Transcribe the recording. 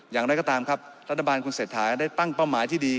อย่างไรก็ตามครับรัฐบาลคุณเศรษฐาได้ตั้งเป้าหมายที่ดี